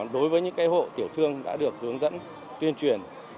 đối với những hộ tiểu thương đã được hướng dẫn tuyên truyền